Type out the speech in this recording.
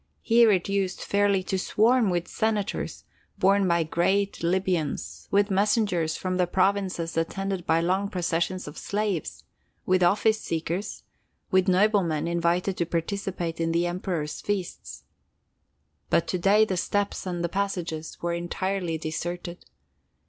Here it used fairly to swarm with senators, borne by giant Libyans; with messengers from the provinces attended by long processions of slaves; with office seekers; with noblemen invited to participate in the Emperor's feasts. But to day the steps and passages were entirely deserted.